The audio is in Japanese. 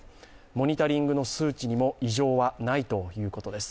モニタリングの数値にも異常はないということです。